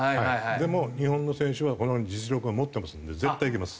でも日本の選手はこの実力は持ってますんで絶対いけます。